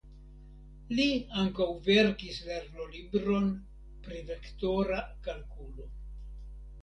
Li ankaŭ verkis lernolibron pri vektora kalkulo.